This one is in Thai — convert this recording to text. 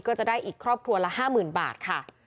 ก็จะได้อีกครอบครัวละ๕๐๐๐บาทค่ะ